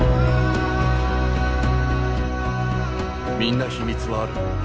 みんな秘密はある。